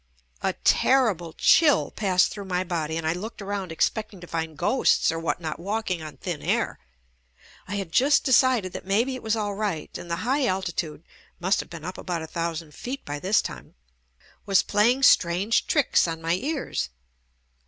A terrible chill passed through my body and I looked around expecting to find ghosts or what not walking on thin air. I had just decided that maybe it was all right and the high altitude (must have been up about a thousand feet by this time) was playing strange tricks on my ears.